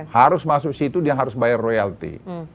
harus masuk situ dia harus bayar royalti